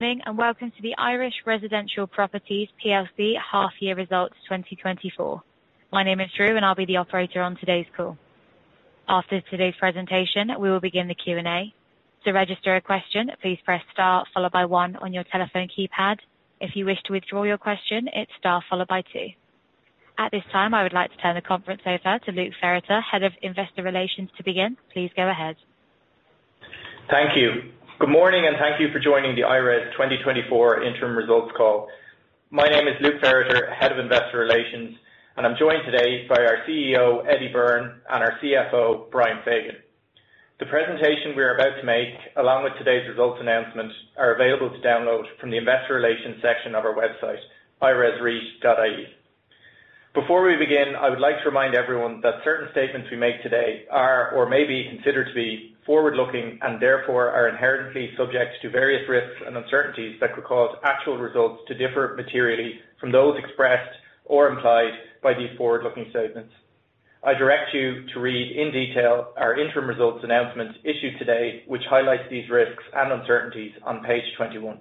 Good morning, and welcome to the Irish Residential Properties PLC half year results 2024. My name is Drew, and I'll be the operator on today's call. After today's presentation, we will begin the Q&A. To register a question, please press star followed by one on your telephone keypad. If you wish to withdraw your question, it's star followed by two. At this time, I would like to turn the conference over to Luke Ferriter, Head of Investor Relations, to begin. Please go ahead. Thank you. Good morning, and thank you for joining the IRES 2024 interim results call. My name is Luke Ferriter, Head of Investor Relations, and I'm joined today by our CEO, Eddie Byrne, and our CFO, Brian Fagan. The presentation we are about to make, along with today's results announcement, are available to download from the Investor Relations section of our website, iresreit.ie. Before we begin, I would like to remind everyone that certain statements we make today are or may be considered to be forward-looking and therefore are inherently subject to various risks and uncertainties that could cause actual results to differ materially from those expressed or implied by these forward-looking statements. I direct you to read in detail our interim results announcement issued today, which highlights these risks and uncertainties on page 21.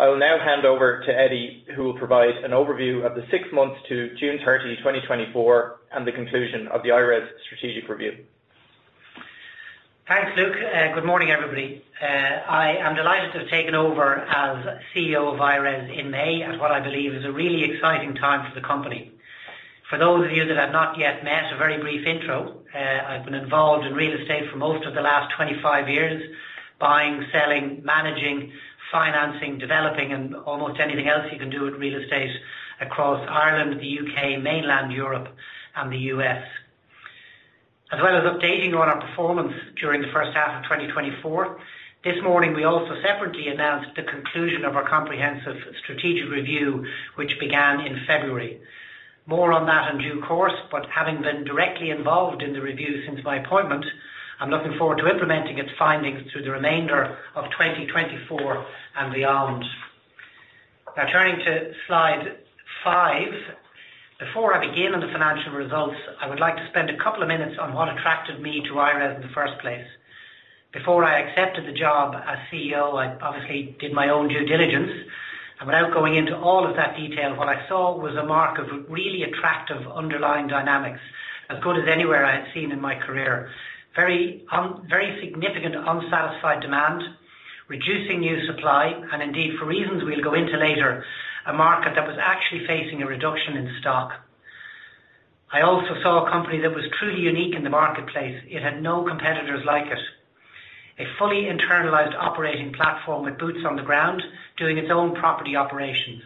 I will now hand over to Eddie, who will provide an overview of the six months to June 30, 2024, and the conclusion of the IRES strategic review. Thanks, Luke. Good morning, everybody. I am delighted to have taken over as CEO of IRES in May, at what I believe is a really exciting time for the company. For those of you that I've not yet met, a very brief intro. I've been involved in real estate for most of the last 25 years, buying, selling, managing, financing, developing, and almost anything else you can do with real estate across Ireland, the U.K., mainland Europe, and the U.S. As well as updating you on our performance during the first half of 2024, this morning, we also separately announced the conclusion of our comprehensive strategic review, which began in February. More on that in due course, but having been directly involved in the review since my appointment, I'm looking forward to implementing its findings through the remainder of 2024 and beyond. Now, turning to slide five. Before I begin on the financial results, I would like to spend a couple of minutes on what attracted me to IRES in the first place. Before I accepted the job as CEO, I obviously did my own due diligence, and without going into all of that detail, what I saw was a market of really attractive underlying dynamics, as good as anywhere I had seen in my career. Very significant unsatisfied demand, reducing new supply, and indeed, for reasons we'll go into later, a market that was actually facing a reduction in stock. I also saw a company that was truly unique in the marketplace. It had no competitors like it. A fully internalized operating platform with boots on the ground, doing its own property operations.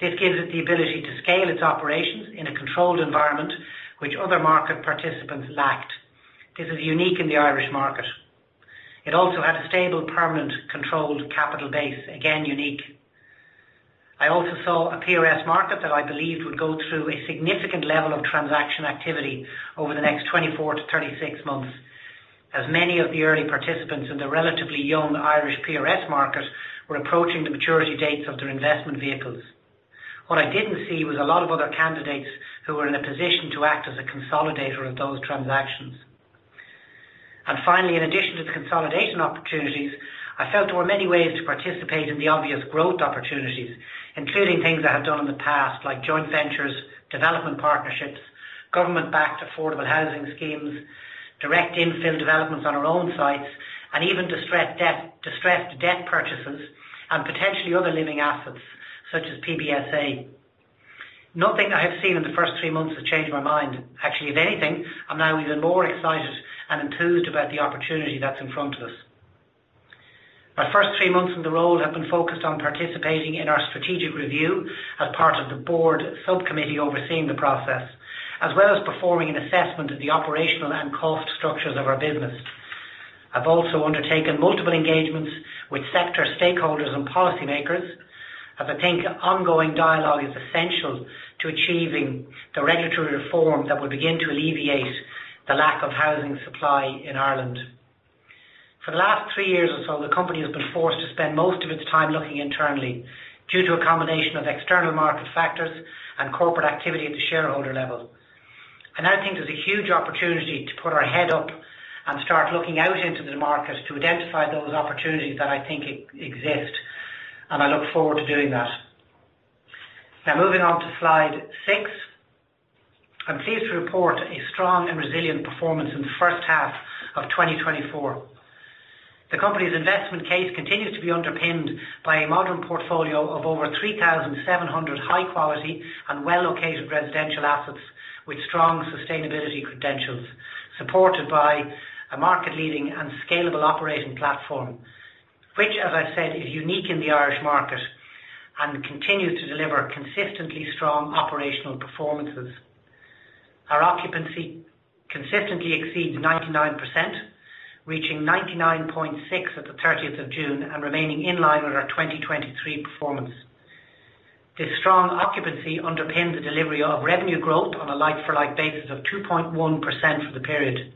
This gives it the ability to scale its operations in a controlled environment, which other market participants lacked. This is unique in the Irish market. It also had a stable, permanent, controlled capital base, again, unique. I also saw a PRS market that I believed would go through a significant level of transaction activity over the next 24-36 months, as many of the early participants in the relatively young Irish PRS market were approaching the maturity dates of their investment vehicles. What I didn't see was a lot of other candidates who were in a position to act as a consolidator of those transactions. And finally, in addition to the consolidation opportunities, I felt there were many ways to participate in the obvious growth opportunities, including things I have done in the past, like joint ventures, development partnerships, government-backed affordable housing schemes, direct infill developments on our own sites, and even distressed debt, distressed debt purchases and potentially other living assets such as PBSA. Nothing I have seen in the first three months has changed my mind. Actually, if anything, I'm now even more excited and enthused about the opportunity that's in front of us. My first three months in the role have been focused on participating in our strategic review as part of the board subcommittee, overseeing the process, as well as performing an assessment of the operational and cost structures of our business. I've also undertaken multiple engagements with sector stakeholders and policymakers, as I think ongoing dialogue is essential to achieving the regulatory reform that will begin to alleviate the lack of housing supply in Ireland. For the last 3 years or so, the company has been forced to spend most of its time looking internally due to a combination of external market factors and corporate activity at the shareholder level. I think there's a huge opportunity to put our head up and start looking out into the market to identify those opportunities that I think exist, and I look forward to doing that. Now, moving on to slide 6. I'm pleased to report a strong and resilient performance in the first half of 2024. The company's investment case continues to be underpinned by a modern portfolio of over 3,700 high quality and well-located residential assets with strong sustainability credentials, supported by a market-leading and scalable operating platform, which, as I've said, is unique in the Irish market and continues to deliver consistently strong operational performances. Our occupancy consistently exceeds 99%, reaching 99.6% at the 30th of June and remaining in line with our 2023 performance. This strong occupancy underpins the delivery of revenue growth on a like-for-like basis of 2.1% for the period.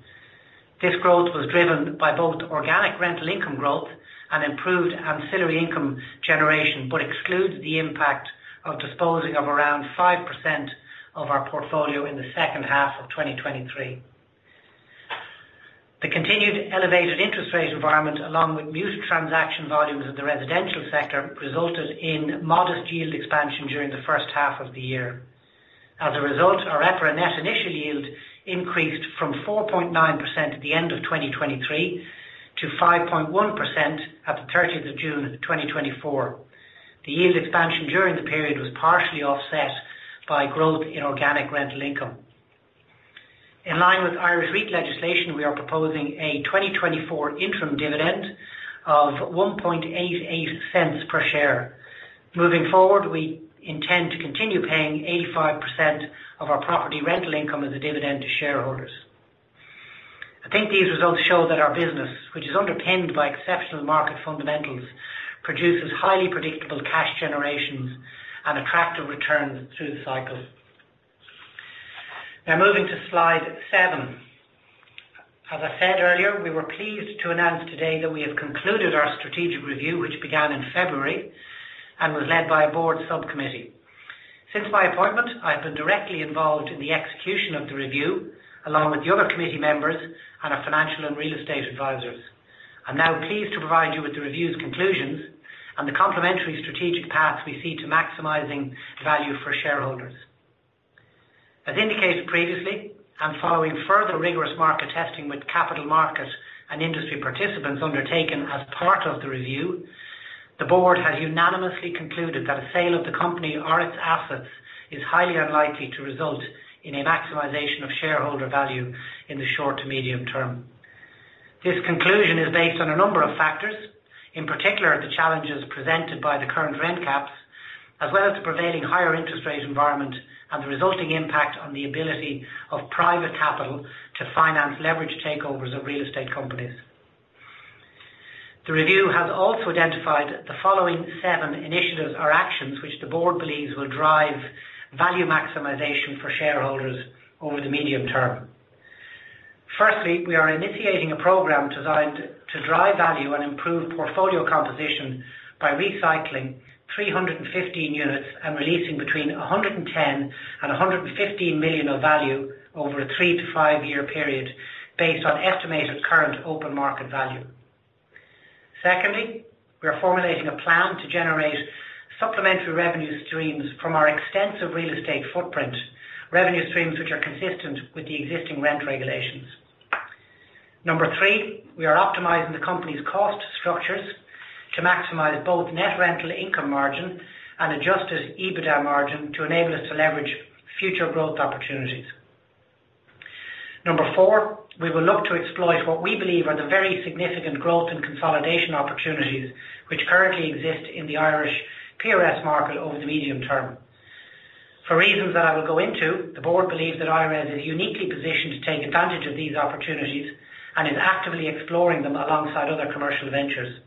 This growth was driven by both organic rental income growth and improved ancillary income generation, but excludes the impact of disposing of around 5% of our portfolio in the second half of 2023. The continued elevated interest rate environment, along with muted transaction volumes of the residential sector, resulted in modest yield expansion during the first half of the year. As a result, our EPRA net initial yield increased from 4.9% at the end of 2023 to 5.1% at the thirtieth of June 2024. The yield expansion during the period was partially offset by growth in organic rental income. In line with Irish REIT legislation, we are proposing a 2024 interim dividend of 0.0188 per share. Moving forward, we intend to continue paying 85% of our property rental income as a dividend to shareholders. I think these results show that our business, which is underpinned by exceptional market fundamentals, produces highly predictable cash generations and attractive returns through the cycle. Now, moving to slide seven. As I said earlier, we were pleased to announce today that we have concluded our strategic review, which began in February and was led by a board subcommittee. Since my appointment, I've been directly involved in the execution of the review, along with the other committee members and our financial and real estate advisors. I'm now pleased to provide you with the review's conclusions and the complementary strategic paths we see to maximizing value for shareholders. As indicated previously, and following further rigorous market testing with capital markets and industry participants undertaken as part of the review, the board has unanimously concluded that a sale of the company or its assets is highly unlikely to result in a maximization of shareholder value in the short to medium term. This conclusion is based on a number of factors, in particular, the challenges presented by the current rent caps, as well as the prevailing higher interest rate environment and the resulting impact on the ability of private capital to finance leverage takeovers of real estate companies. The review has also identified the following seven initiatives or actions, which the board believes will drive value maximization for shareholders over the medium term. Firstly, we are initiating a program designed to drive value and improve portfolio composition by recycling 315 units and releasing between 110 million and 115 million of value over a 3- to 5-year period, based on estimated current open market value. Secondly, we are formulating a plan to generate supplementary revenue streams from our extensive real estate footprint, revenue streams which are consistent with the existing rent regulations. Number three, we are optimizing the company's cost structures to maximize both net rental income margin and Adjusted EBITDA margin to enable us to leverage future growth opportunities. Number four, we will look to exploit what we believe are the very significant growth and consolidation opportunities which currently exist in the Irish PRS market over the medium term. For reasons that I will go into, the board believes that IRES is uniquely positioned to take advantage of these opportunities and is actively exploring them alongside other commercial ventures.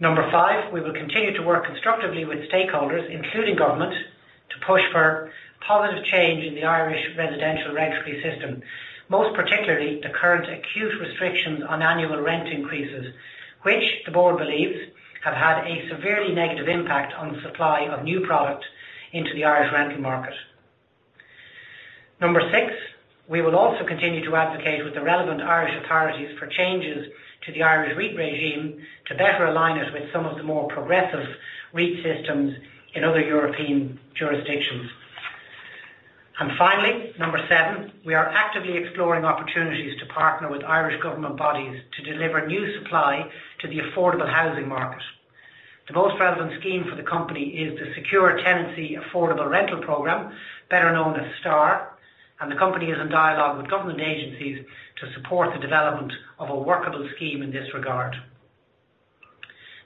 Number five, we will continue to work constructively with stakeholders, including government, to push for positive change in the Irish residential regulatory system, most particularly the current acute restrictions on annual rent increases, which the board believes have had a severely negative impact on the supply of new product into the Irish rental market. Number 6, we will also continue to advocate with the relevant Irish authorities for changes to the Irish REIT regime to better align us with some of the more progressive REIT systems in other European jurisdictions. And finally, number 7, we are actively exploring opportunities to partner with Irish government bodies to deliver new supply to the affordable housing market. The most relevant scheme for the company is the Secure Tenancy Affordable Rental program, better known as STAR, and the company is in dialogue with government agencies to support the development of a workable scheme in this regard.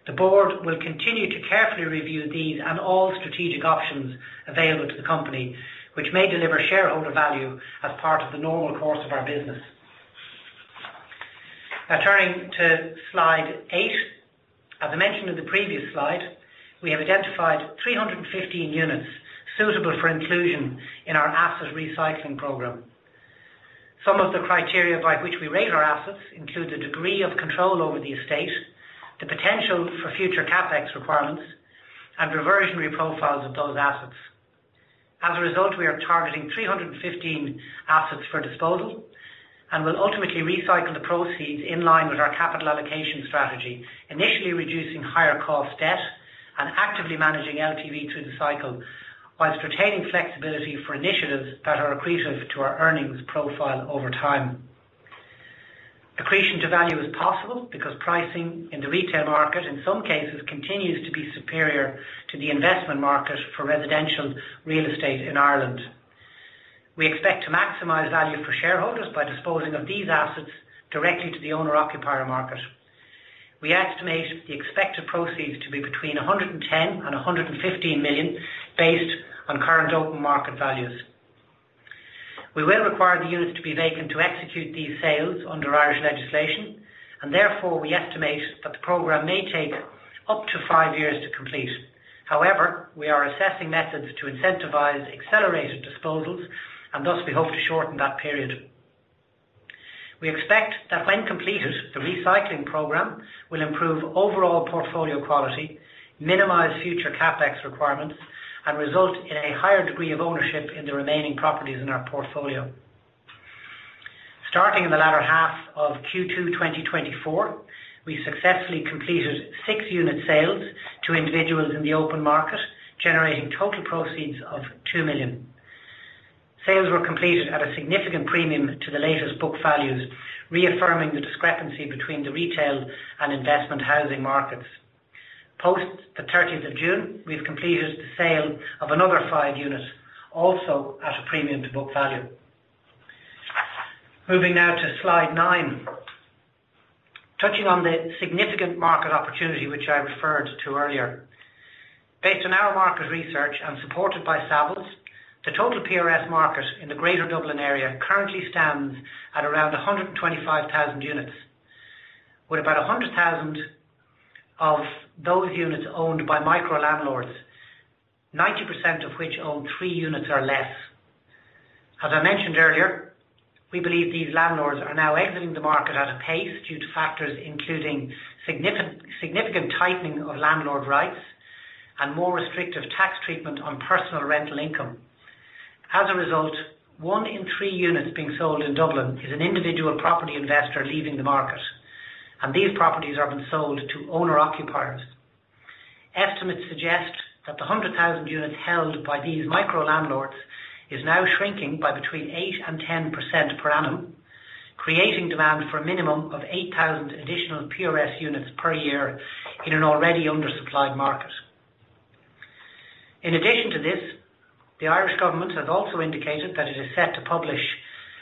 The board will continue to carefully review these and all strategic options available to the company, which may deliver shareholder value as part of the normal course of our business. Now, turning to slide 8. As I mentioned in the previous slide, we have identified 315 units suitable for inclusion in our asset recycling program. Some of the criteria by which we rate our assets include the degree of control over the estate, the potential for future CapEx requirements, and reversionary profiles of those assets. As a result, we are targeting 315 assets for disposal and will ultimately recycle the proceeds in line with our capital allocation strategy, initially reducing higher cost debt and actively managing LTV through the cycle, whilst retaining flexibility for initiatives that are accretive to our earnings profile over time. Accretion to value is possible because pricing in the retail market, in some cases, continues to be superior to the investment market for residential real estate in Ireland. We expect to maximize value for shareholders by disposing of these assets directly to the owner-occupier market. We estimate the expected proceeds to be between 110 million and 115 million, based on current open market values. We will require the units to be vacant to execute these sales under Irish legislation, and therefore, we estimate that the program may take up to five years to complete. However, we are assessing methods to incentivize accelerated disposals, and thus we hope to shorten that period. We expect that completed, the recycling program will improve overall portfolio quality, minimize future CapEx requirements, and result in a higher degree of ownership in the remaining properties in our portfolio. Starting in the latter half of Q2, 2024, we successfully completed six unit sales to individuals in the open market, generating total proceeds of 2 million. Sales were completed at a significant premium to the latest book values, reaffirming the discrepancy between the retail and investment housing markets. Post the thirtieth of June, we've completed the sale of another 5 units, also at a premium to book value. Moving now to slide 9. Touching on the significant market opportunity, which I referred to earlier. Based on our market research and supported by Savills, the total PRS market in the Greater Dublin Area currently stands at around 125,000 units, with about 100,000 of those units owned by micro-landlords, 90% of which own 3 units or less. As I mentioned earlier, we believe these landlords are now exiting the market at a pace due to factors including significant tightening of landlord rights and more restrictive tax treatment on personal rental income. As a result, 1 in 3 units being sold in Dublin is an individual property investor leaving the market, and these properties have been sold to owner-occupiers. Estimates suggest that the 100,000 units held by these micro-landlords is now shrinking by between 8%-10% per annum, creating demand for a minimum of 8,000 additional PRS units per year in an already undersupplied market. In addition to this, the Irish government has also indicated that it is set to publish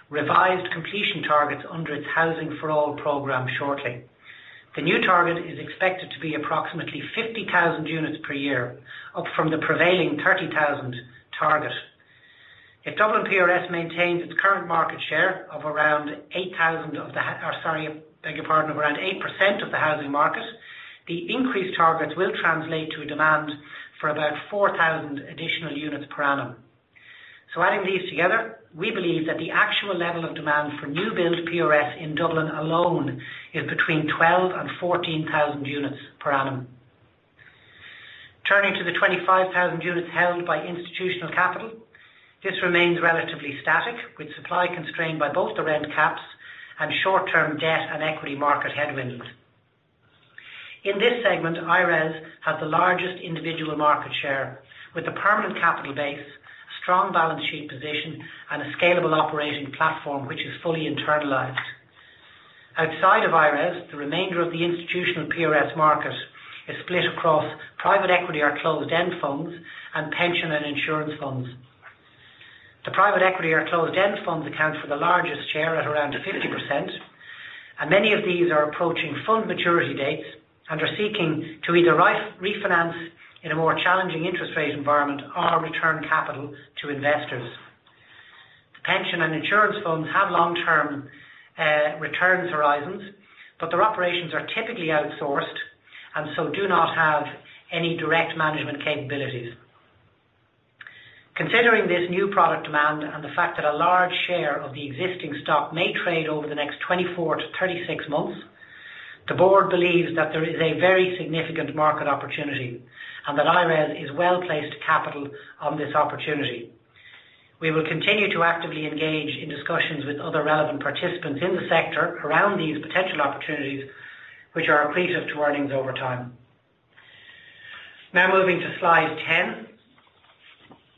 revised completion targets under its Housing for All program shortly. The new target is expected to be approximately 50,000 units per year, up from the prevailing 30,000 target. If Dublin PRS maintains its current market share of around 8% of the housing market, the increased targets will translate to a demand for about 4,000 additional units per annum. So adding these together, we believe that the actual level of demand for new build PRS in Dublin alone is between 12,000 and 14,000 units per annum. Turning to the 25,000 units held by institutional capital, this remains relatively static, with supply constrained by both the rent caps and short-term debt and equity market headwinds. In this segment, IRES has the largest individual market share with a permanent capital base, strong balance sheet position, and a scalable operating platform, which is fully internalized. Outside of IRES, the remainder of the institutional PRS market is split across private equity or closed-end funds and pension and insurance funds. The private equity or closed-end funds account for the largest share at around 50%, and many of these are approaching full maturity dates and are seeking to either refinance in a more challenging interest rate environment or return capital to investors. The pension and insurance funds have long-term returns horizons, but their operations are typically outsourced and so do not have any direct management capabilities. Considering this new product demand and the fact that a large share of the existing stock may trade over the next 24-36 months, the board believes that there is a very significant market opportunity and that IRES is well-placed to capitalize on this opportunity. We will continue to actively engage in discussions with other relevant participants in the sector around these potential opportunities, which are accretive to earnings over time. Now, moving to slide 10.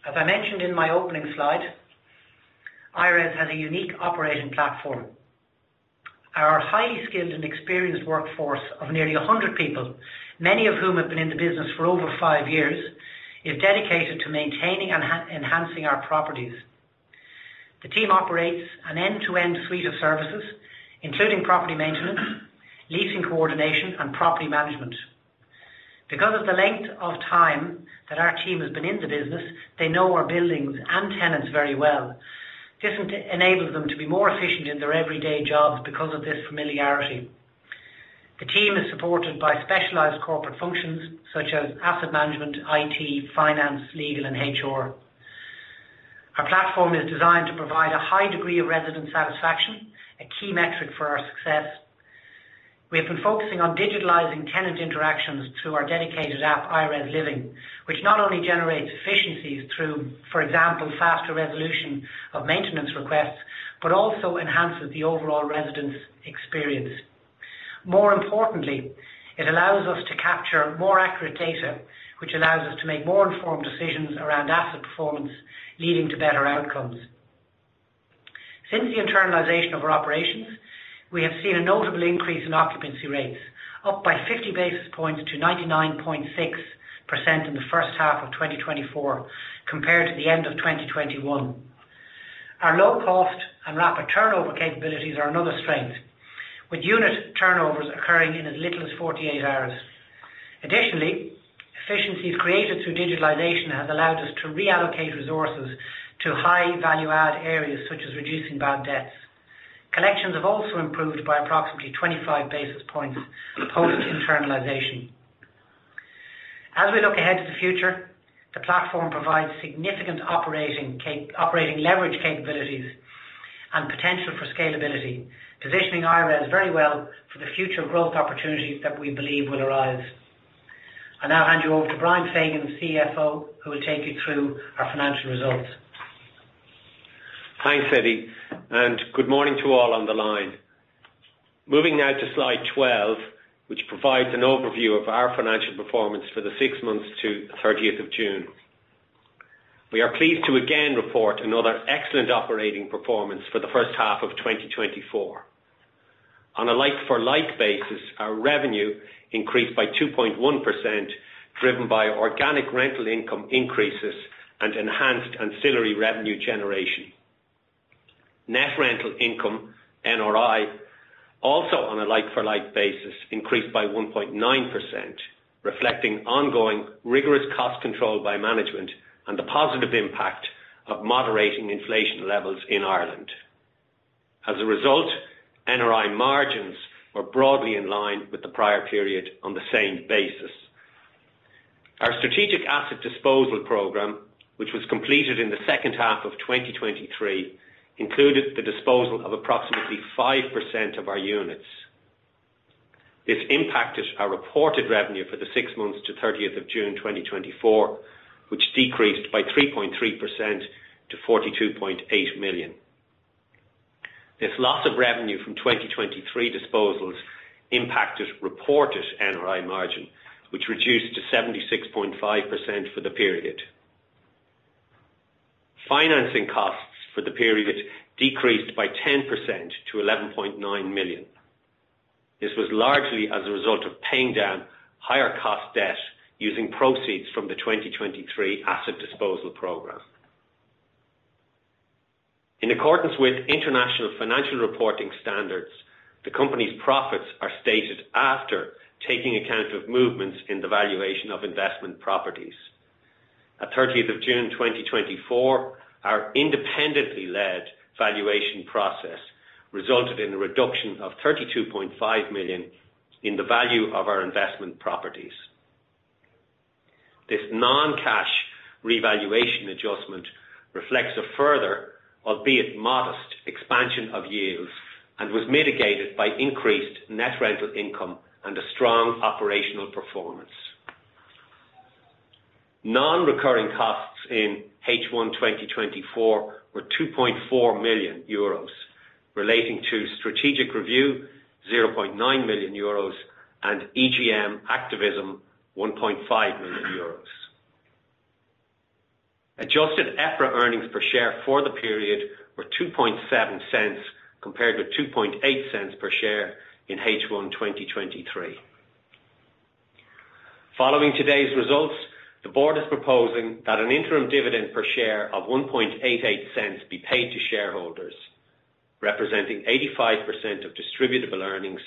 As I mentioned in my opening slide, IRES has a unique operating platform. Our highly skilled and experienced workforce of nearly a hundred people, many of whom have been in the business for over five years, is dedicated to maintaining and enhancing our properties. The team operates an end-to-end suite of services, including property maintenance, leasing coordination, and property management. Because of the length of time that our team has been in the business, they know our buildings and tenants very well. This enables them to be more efficient in their everyday jobs because of this familiarity. The team is supported by specialized corporate functions such as asset management, IT, finance, legal, and HR. Our platform is designed to provide a high degree of resident satisfaction, a key metric for our success. We have been focusing on digitalizing tenant interactions through our dedicated app, IRES Living, which not only generates efficiencies through, for example, faster resolution of maintenance requests, but also enhances the overall resident's experience. More importantly, it allows us to capture more accurate data, which allows us to make more informed decisions around asset performance, leading to better outcomes. Since the internalization of our operations, we have seen a notable increase in occupancy rates, up by 50 basis points to 99.6% in the first half of 2024 compared to the end of 2021. Our low cost and rapid turnover capabilities are another strength, with unit turnovers occurring in as little as 48 hours. Additionally, efficiencies created through digitalization have allowed us to reallocate resources to high value-add areas, such as reducing bad debts. Collections have also improved by approximately 25 basis points post-internalization. As we look ahead to the future, the platform provides significant operating leverage capabilities and potential for scalability, positioning IRES very well for the future growth opportunities that we believe will arise. I now hand you over to Brian Fagan, CFO, who will take you through our financial results. Thanks, Eddie, and good morning to all on the line. Moving now to slide 12, which provides an overview of our financial performance for the six months to 30th of June. We are pleased to again report another excellent operating performance for the first half of 2024. On a like-for-like basis, our revenue increased by 2.1%, driven by organic rental income increases and enhanced ancillary revenue generation. Net rental income, NRI, also on a like-for-like basis, increased by 1.9%, reflecting ongoing rigorous cost control by management and the positive impact of moderating inflation levels in Ireland. As a result, NRI margins are broadly in line with the prior period on the same basis. Our strategic asset disposal program, which was completed in the second half of 2023, included the disposal of approximately 5% of our units. This impacted our reported revenue for the six months to 30th of June, 2024, which decreased by 3.3% to 42.8 million. This loss of revenue from 2023 disposals impacted reported NRI margin, which reduced to 76.5% for the period. Financing costs for the period decreased by 10% to 11.9 million. This was largely as a result of paying down higher cost debt using proceeds from the 2023 asset disposal program. In accordance with International Financial Reporting Standards, the company's profits are stated after taking account of movements in the valuation of investment properties. At 30th of June, 2024, our independently led valuation process resulted in a reduction of 32.5 million in the value of our investment properties. This non-cash revaluation adjustment reflects a further, albeit modest, expansion of yields and was mitigated by increased net rental income and a strong operational performance. Non-recurring costs in H1 2024 were 2.4 million euros, relating to strategic review, 0.9 million euros, and EGM activism, 1.5 million euros. Adjusted EPRA earnings per share for the period were 0.027, compared with 0.028 per share in H1 2023. Following today's results, the board is proposing that an interim dividend per share of 0.0188 be paid to shareholders, representing 85% of distributable earnings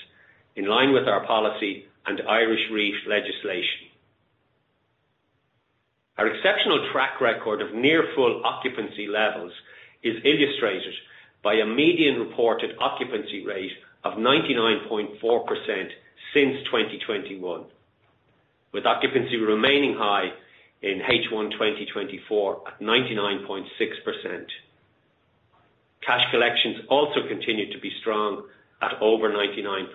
in line with our policy and Irish REIT legislation. Our exceptional track record of near full occupancy levels is illustrated by a median reported occupancy rate of 99.4% since 2021, with occupancy remaining high in H1 2024 at 99.6%. Cash collections also continued to be strong at over 99%.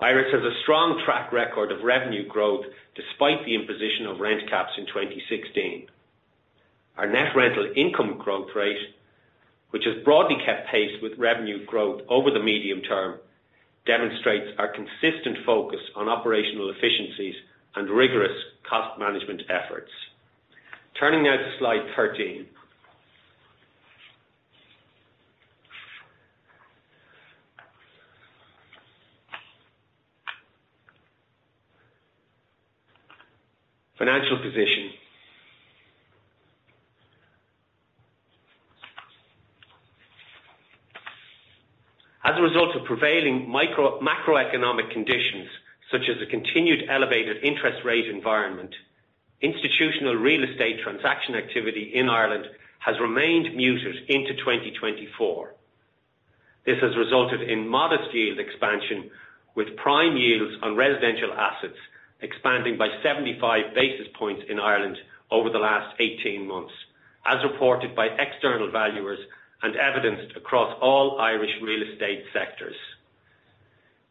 IRES has a strong track record of revenue growth, despite the imposition of rent caps in 2016. Our net rental income growth rate, which has broadly kept pace with revenue growth over the medium term, demonstrates our consistent focus on operational efficiencies and rigorous cost management efforts. Turning now to slide 13. Financial position. As a result of prevailing macroeconomic conditions, such as a continued elevated interest rate environment, institutional real estate transaction activity in Ireland has remained muted into 2024. This has resulted in modest yield expansion, with prime yields on residential assets expanding by 75 basis points in Ireland over the last 18 months, as reported by external valuers and evidenced across all Irish real estate sectors.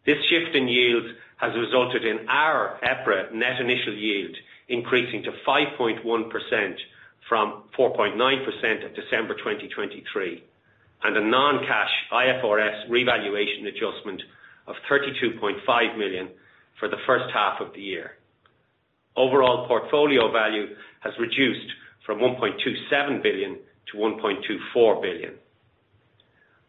This shift in yield has resulted in our EPRA net initial yield increasing to 5.1% from 4.9% at December 2023, and a non-cash IFRS revaluation adjustment of 32.5 million for the first half of the year. Overall portfolio value has reduced from 1.27 billion to 1.24 billion.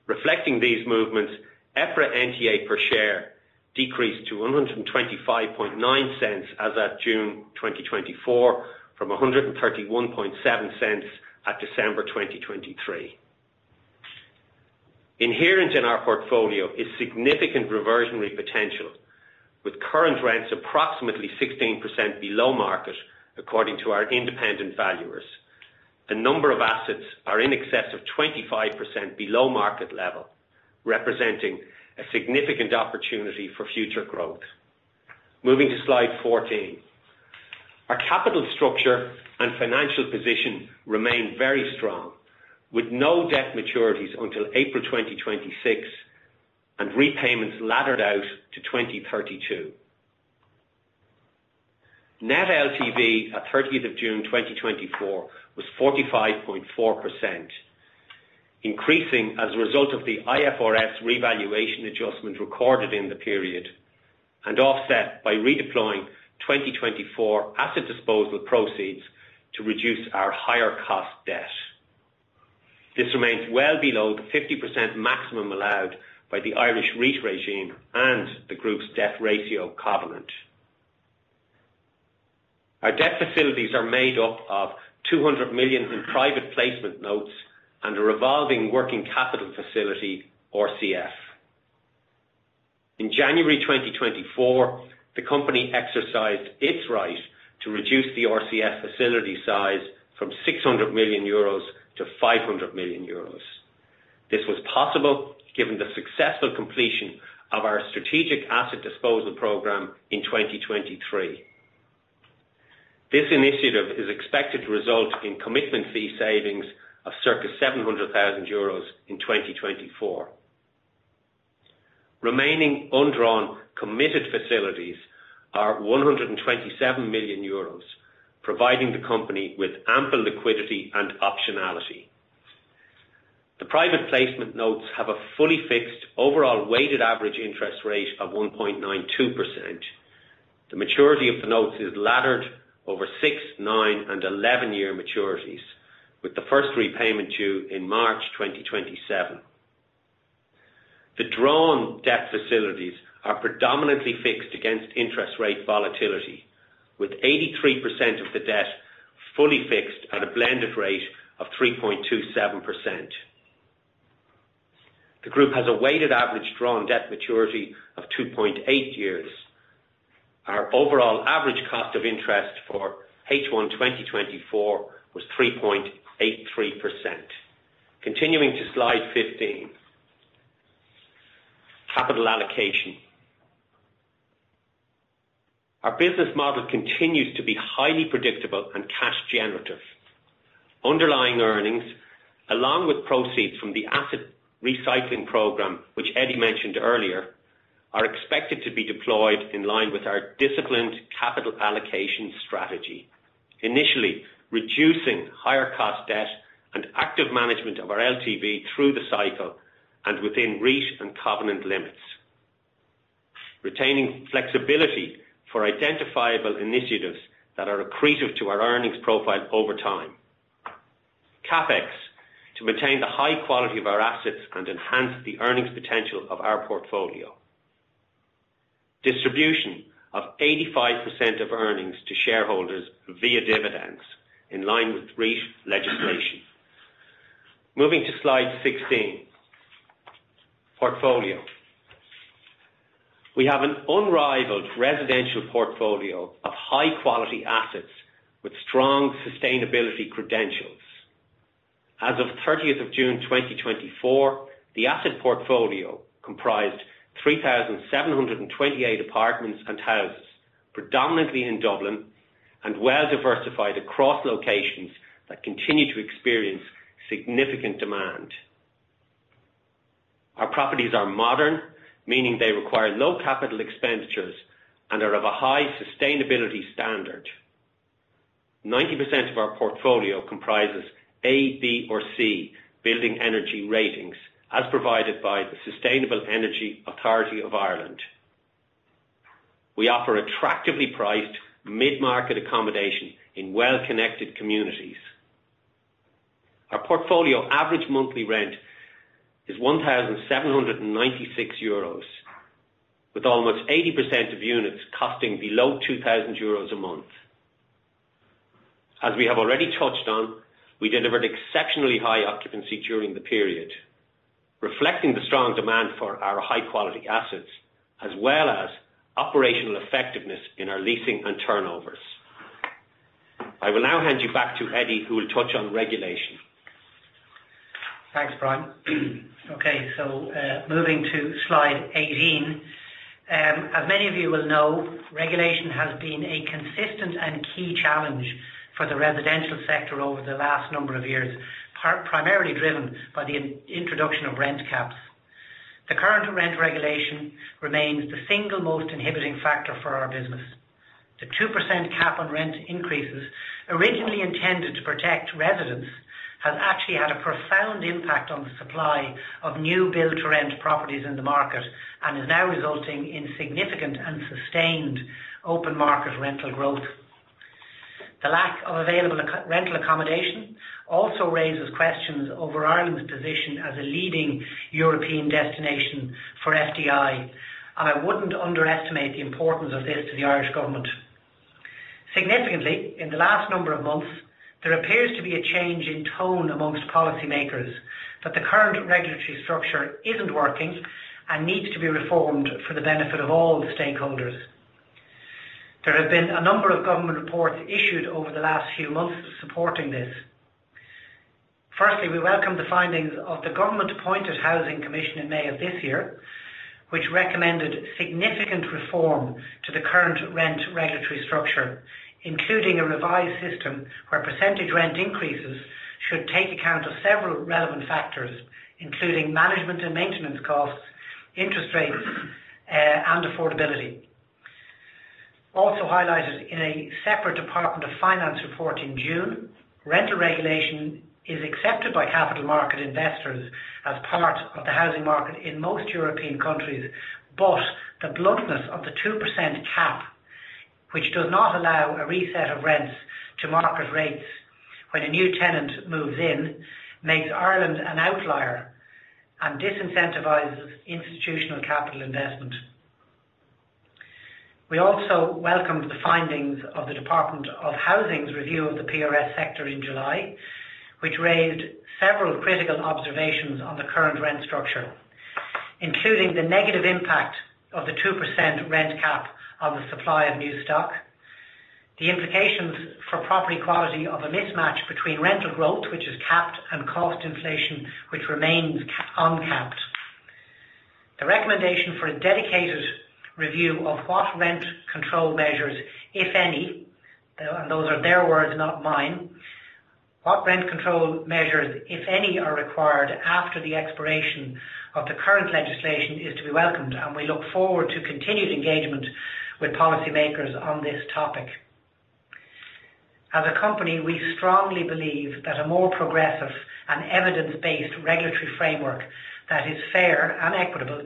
Reflecting these movements, EPRA NTA per share decreased to 1.259 as at June 2024, from 1.317 at December 2023. Inherent in our portfolio is significant reversionary potential, with current rents approximately 16% below market, according to our independent valuers. The number of assets are in excess of 25% below market level, representing a significant opportunity for future growth. Moving to slide 14. Our capital structure and financial position remain very strong, with no debt maturities until April 2026, and repayments laddered out to 2032. Net LTV at 13th of June 2024 was 45.4%, increasing as a result of the IFRS revaluation adjustment recorded in the period, and offset by redeploying 2024 asset disposal proceeds to reduce our higher cost debt. This remains well below the 50% maximum allowed by the Irish REIT regime and the group's debt ratio covenant. Our debt facilities are made up of 200 million in private placement notes and a revolving working capital facility, RCF. In January 2024, the company exercised its right to reduce the RCF facility size from 600 million euros to 500 million euros. This was possible given the successful completion of our strategic asset disposal program in 2023. This initiative is expected to result in commitment fee savings of circa 700,000 euros in 2024. Remaining undrawn committed facilities are 127 million euros, providing the company with ample liquidity and optionality. The private placement notes have a fully fixed overall weighted average interest rate of 1.92%. The maturity of the notes is laddered over 6-, 9-, and 11-year maturities, with the first repayment due in March 2027. The drawn debt facilities are predominantly fixed against interest rate volatility, with 83% of the debt fully fixed at a blended rate of 3.27%. The group has a weighted average drawn debt maturity of 2.8 years. Our overall average cost of interest for H1 2024 was 3.83%. Continuing to slide 15. Capital allocation. Our business model continues to be highly predictable and cash generative. Underlying earnings, along with proceeds from the asset recycling program, which Eddie mentioned earlier, are expected to be deployed in line with our disciplined capital allocation strategy. Initially, reducing higher cost debt and active management of our LTV through the cycle and within REIT and covenant limits. Retaining flexibility for identifiable initiatives that are accretive to our earnings profile over time. CapEx, to maintain the high quality of our assets and enhance the earnings potential of our portfolio. Distribution of 85% of earnings to shareholders via dividends in line with REIT legislation. Moving to slide 16, portfolio. We have an unrivaled residential portfolio of high quality assets with strong sustainability credentials. As of thirtieth of June 2024, the asset portfolio comprised 3,728 apartments and houses, predominantly in Dublin, and well diversified across locations that continue to experience significant demand. Our properties are modern, meaning they require low capital expenditures and are of a high sustainability standard. 90% of our portfolio comprises A, B or C building energy ratings, as provided by the Sustainable Energy Authority of Ireland. We offer attractively priced mid-market accommodation in well-connected communities. Our portfolio average monthly rent is 1,796 euros, with almost 80% of units costing below 2,000 euros a month. As we have already touched on, we delivered exceptionally high occupancy during the period, reflecting the strong demand for our high quality assets, as well as operational effectiveness in our leasing and turnovers. I will now hand you back to Eddie, who will touch on regulation. Thanks, Brian. Okay, so, moving to slide 18. As many of you will know, regulation has been a consistent and key challenge for the residential sector over the last number of years, primarily driven by the introduction of rent caps. The current rent regulation remains the single most inhibiting factor for our business. The 2% cap on rent increases, originally intended to protect residents, has actually had a profound impact on the supply of new build to rent properties in the market and is now resulting in significant and sustained open market rental growth. The lack of available rental accommodation also raises questions over Ireland's position as a leading European destination for FDI, and I wouldn't underestimate the importance of this to the Irish government. Significantly, in the last number of months, there appears to be a change in tone among policymakers, that the current regulatory structure isn't working and needs to be reformed for the benefit of all stakeholders. There have been a number of government reports issued over the last few months supporting this. Firstly, we welcome the findings of the government-appointed Housing Commission in May of this year, which recommended significant reform to the current rent regulatory structure, including a revised system where percentage rent increases should take account of several relevant factors, including management and maintenance costs, interest rates, and affordability. Also highlighted in a separate Department of Finance report in June, rental regulation is accepted by capital market investors as part of the housing market in most European countries, but the bluntness of the 2% cap, which does not allow a reset of rents to market rates when a new tenant moves in, makes Ireland an outlier and disincentivizes institutional capital investment. We also welcomed the findings of the Department of Housing's review of the PRS sector in July, which raised several critical observations on the current rent structure, including the negative impact of the 2% rent cap on the supply of new stock, the implications for property quality of a mismatch between rental growth, which is capped, and cost inflation, which remains uncapped. The recommendation for a dedicated review of what rent control measures, if any, and those are their words, not mine. What rent control measures, if any, are required after the expiration of the current legislation, is to be welcomed, and we look forward to continued engagement with policymakers on this topic. As a company, we strongly believe that a more progressive and evidence-based regulatory framework that is fair and equitable,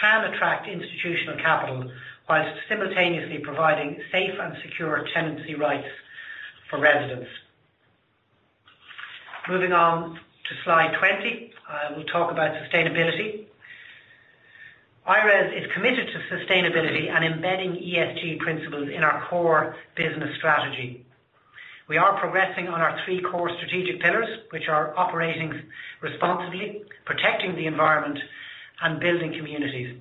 can attract institutional capital while simultaneously providing safe and secure tenancy rights for residents. Moving on to slide 20, I will talk about sustainability. IRES is committed to sustainability and embedding ESG principles in our core business strategy. We are progressing on our three core strategic pillars, which are operating responsibly, protecting the environment, and building communities.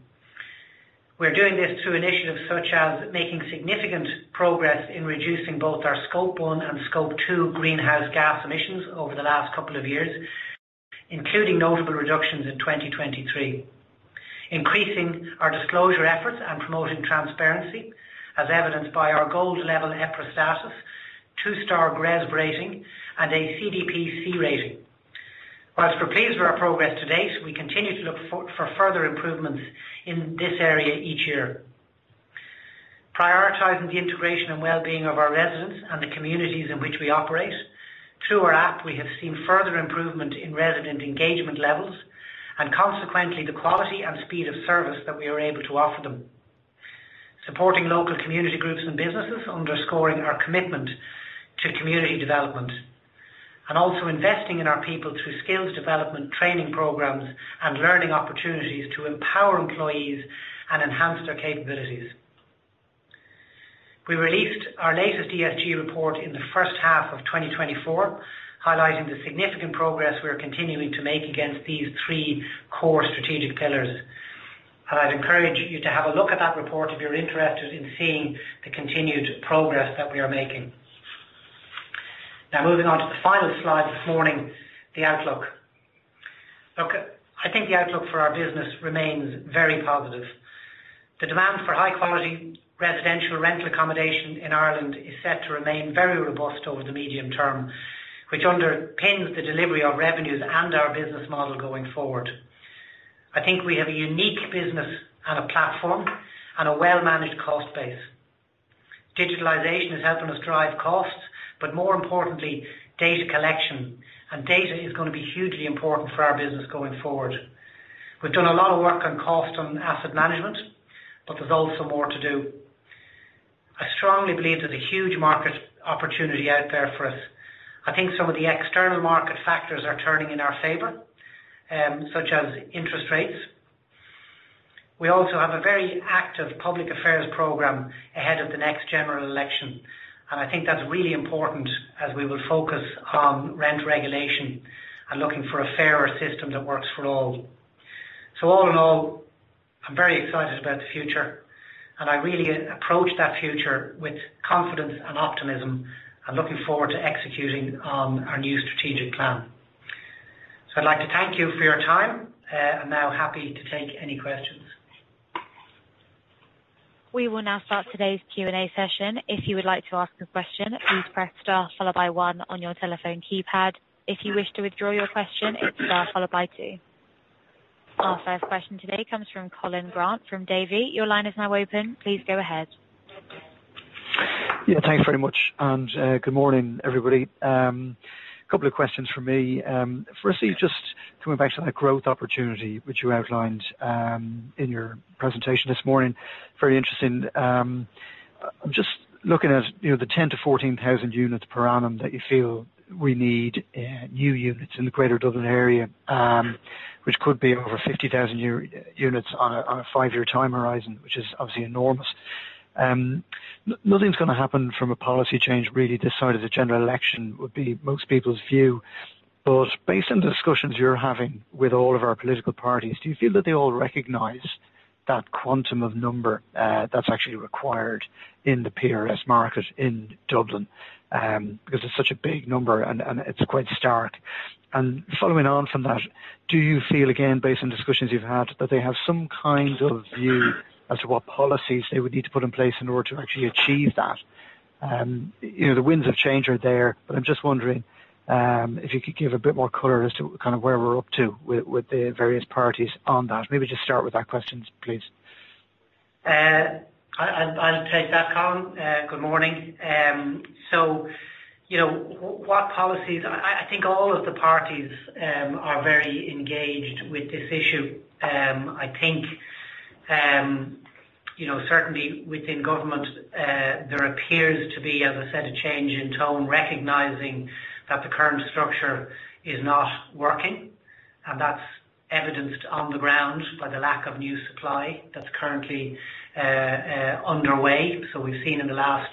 We're doing this through initiatives such as making significant progress in reducing both our Scope 1 and Scope 2 greenhouse gas emissions over the last couple of years, including notable reductions in 2023. Increasing our disclosure efforts and promoting transparency, as evidenced by our gold level EPRA status, two-star GRESB rating, and a CDP C rating. While we're pleased with our progress to date, we continue to look for further improvements in this area each year. Prioritizing the integration and well-being of our residents and the communities in which we operate. Through our app, we have seen further improvement in resident engagement levels and consequently, the quality and speed of service that we are able to offer them. Supporting local community groups and businesses, underscoring our commitment to community development, and also investing in our people through skills development, training programs, and learning opportunities to empower employees and enhance their capabilities. We released our latest ESG report in the first half of 2024, highlighting the significant progress we are continuing to make against these three core strategic pillars. I'd encourage you to have a look at that report if you're interested in seeing the continued progress that we are making. Now, moving on to the final slide this morning, the outlook. Look, I think the outlook for our business remains very positive. The demand for high quality residential rental accommodation in Ireland is set to remain very robust over the medium term, which underpins the delivery of revenues and our business model going forward. I think we have a unique business and a platform and a well-managed cost base. Digitalization is helping us drive costs, but more importantly, data collection, and data is gonna be hugely important for our business going forward. We've done a lot of work on cost and asset management, but there's also more to do. I strongly believe there's a huge market opportunity out there for us. I think some of the external market factors are turning in our favor, such as interest rates. We also have a very active public affairs program ahead of the next general election, and I think that's really important as we will focus on rent regulation and looking for a fairer system that works for all. So all in all, I'm very excited about the future, and I really approach that future with confidence and optimism, and looking forward to executing our new strategic plan. So I'd like to thank you for your time, I'm now happy to take any questions. We will now start today's Q&A session. If you would like to ask a question, please press star followed by one on your telephone keypad. If you wish to withdraw your question, it's star followed by two. Our first question today comes from Colin Grant, from Davy. Your line is now open. Please go ahead. Yeah, thanks very much and good morning, everybody. A couple of questions from me. Firstly, just coming back to that growth opportunity which you outlined in your presentation this morning. Very interesting. I'm just looking at, you know, the 10,000-14,000 units per annum that you feel we need new units in the Greater Dublin Area, which could be over 50,000 units on a 5-year time horizon, which is obviously enormous. Nothing's gonna happen from a policy change, really, this side of the general election, would be most people's view. But based on the discussions you're having with all of our political parties, do you feel that they all recognize that quantum of number that's actually required in the PRS market in Dublin? Because it's such a big number, and it's quite stark. Following on from that, do you feel, again, based on discussions you've had, that they have some kind of view as to what policies they would need to put in place in order to actually achieve that? You know, the winds of change are there, but I'm just wondering if you could give a bit more color as to kind of where we're up to with the various parties on that. Maybe just start with that question, please. I'll take that, Colin. Good morning. So you know, I think all of the parties are very engaged with this issue. I think you know, certainly within government, there appears to be, as I said, a change in tone, recognizing that the current structure is not working, and that's evidenced on the ground by the lack of new supply that's currently underway. So we've seen in the last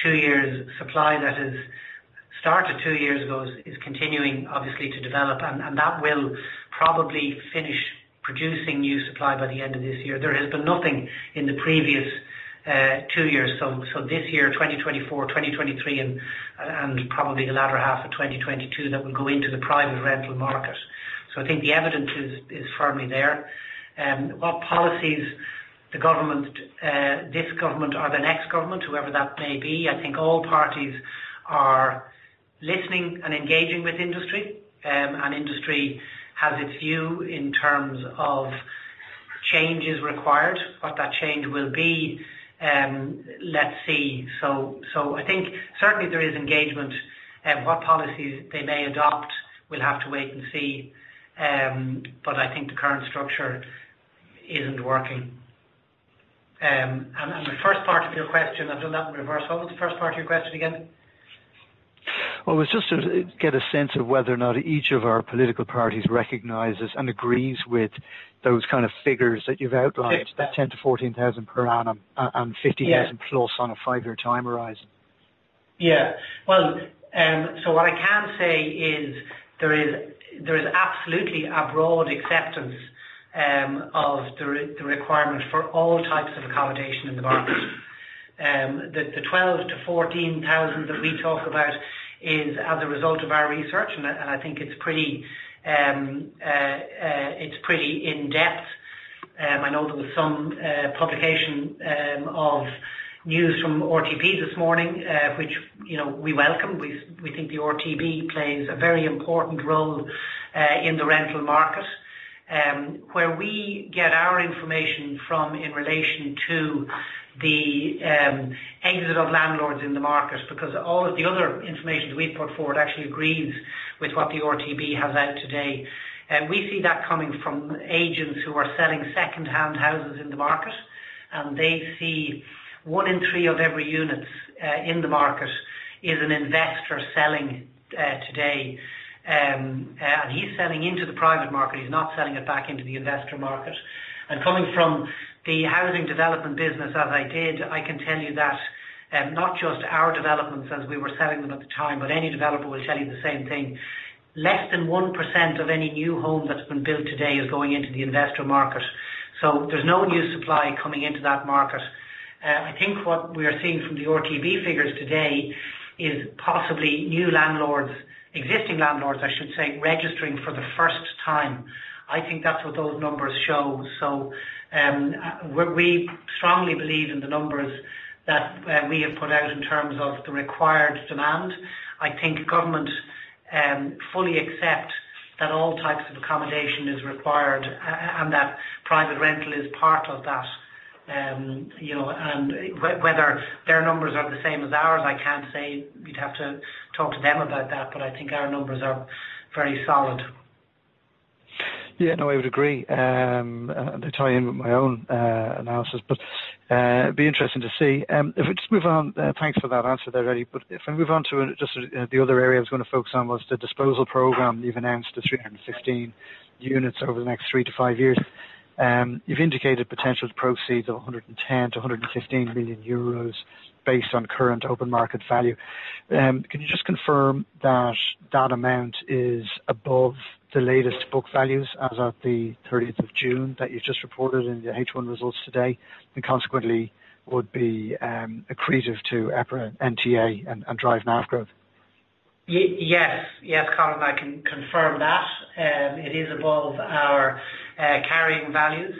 two years, supply that has started two years ago is continuing, obviously, to develop, and that will probably finish producing new supply by the end of this year. There has been nothing in the previous two years. So this year, 2024, 2023, and probably the latter half of 2022, that will go into the private rental market. So I think the evidence is firmly there. What policies the government, this government or the next government, whoever that may be, I think all parties are listening and engaging with industry, and industry has its view in terms of changes required. What that change will be, let's see. So I think certainly there is engagement. What policies they may adopt, we'll have to wait and see. But I think the current structure isn't working. And the first part of your question, I've done that in reverse. What was the first part of your question again? Well, it was just to get a sense of whether or not each of our political parties recognizes and agrees with those kind of figures that you've outlined. Yes. The 10,000-14,000 per annum, and fifty- Yeah .-thousand plus on a five-year time horizon. Yeah. Well, so what I can say is, there is, there is absolutely a broad acceptance of the requirement for all types of accommodation in the market. The 12,000-14,000 that we talk about is as a result of our research, and I, and I think it's pretty, it's pretty in-depth. I know there was some publication of news from RTB this morning, which, you know, we welcome. We think the RTB plays a very important role in the rental market. Where we get our information from, in relation to the exit of landlords in the market, because all of the other information we've put forward actually agrees with what the RTB has out today. We see that coming from agents who are selling secondhand houses in the market, and they see one in three of every units in the market is an investor selling today. And he's selling into the private market, he's not selling it back into the investor market. And coming from the housing development business, as I did, I can tell you that not just our developments as we were selling them at the time, but any developer will tell you the same thing. Less than 1% of any new home that's been built today is going into the investor market. So there's no new supply coming into that market. I think what we are seeing from the RTB figures today is possibly new landlords, existing landlords, I should say, registering for the first time. I think that's what those numbers show. So, we strongly believe in the numbers that we have put out in terms of the required demand. I think government fully accept that all types of accommodation is required, and that private rental is part of that. You know, and whether their numbers are the same as ours, I can't say. We'd have to talk to them about that, but I think our numbers are very solid. Yeah, no, I would agree. They tie in with my own analysis, but it'd be interesting to see. If we just move on, thanks for that answer there, Eddie. But if I move on to just the other area I was gonna focus on, was the disposal program. You've announced the 315 units over the next 3-5 years. You've indicated potential proceeds of 110 million-115 million euros based on current open market value. Can you just confirm that, that amount is above the latest book values as of the thirtieth of June, that you've just reported in your H1 results today, and consequently would be accretive to EPRA NTA and, and drive NAV growth? Yes, yes, Colin, I can confirm that. It is above our carrying values.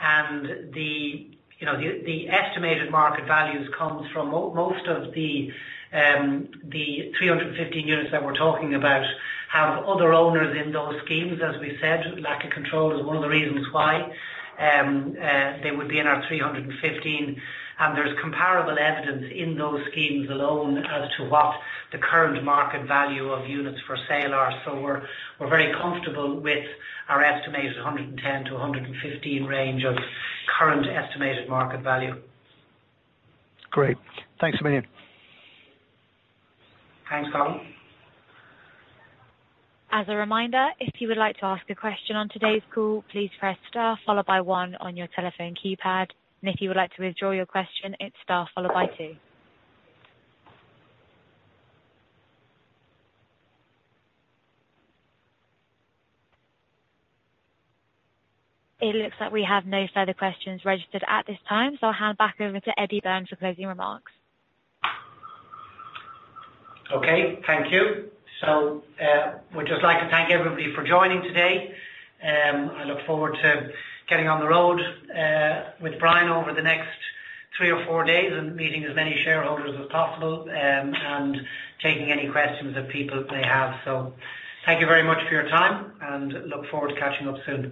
And the, you know, the estimated market values comes from most of the 315 units that we're talking about have other owners in those schemes, as we said. Lack of control is one of the reasons why they would be in our 315. And there's comparable evidence in those schemes alone, as to what the current market value of units for sale are. So we're very comfortable with our estimated 110-115 range of current estimated market value. Great. Thanks a million. Thanks, Colin. As a reminder, if you would like to ask a question on today's call, please press star followed by one on your telephone keypad, and if you would like to withdraw your question, it's star followed by two. It looks like we have no further questions registered at this time, so I'll hand back over to Eddie Byrne for closing remarks. Okay, thank you. We'd just like to thank everybody for joining today. I look forward to getting on the road with Brian over the next three or four days, and meeting as many shareholders as possible, and taking any questions that people may have. Thank you very much for your time, and look forward to catching up soon.